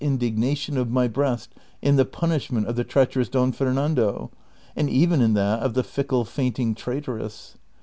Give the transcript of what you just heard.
223 indio^nation of my breast in the punishment of the treacherous Don Fernando, and even in that of the tickle fainting traitress.